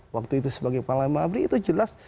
waktu itu sebagai panglima abri itu jelas